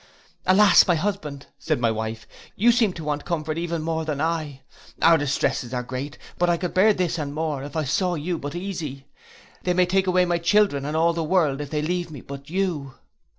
'—'Alas! my husband,' said my wife, 'you seem to want comfort even more than I. Our distresses are great; but I could bear this and more, if I saw you but easy. They may take away my children and all the world, if they leave me but you.